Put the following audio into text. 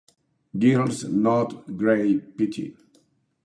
Girl's Not Grey Pt.